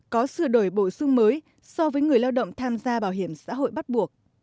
có sửa đổi bổ sung mới so với người lao động tham gia bảo hiểm xã hội bắt buộc